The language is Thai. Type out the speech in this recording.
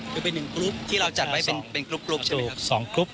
คือเป็นหนึ่งกรุ๊ปที่เราจัดไว้เป็นเป็นกรุ๊ปกรุ๊ปใช่ไหมครับสองกรุ๊ป